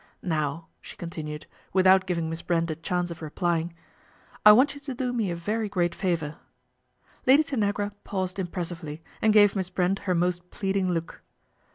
Now," she con tinued, without giving Miss Brert a chance of replying, " I want you to do me a very great favour." Lady Tanagra paused impressively, and gave Miss Brent her most pleading look.